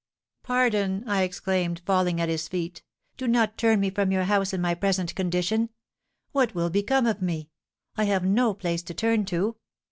'Pardon,' I exclaimed, falling at his feet, 'do not turn me from your house in my present condition. What will become of me? I have no place to turn to.'